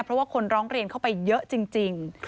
เพราะว่าคนร้องเรียนเข้าไปเยอะจริง